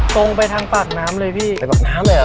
ตรงไปทางปากน้ำเลยพี่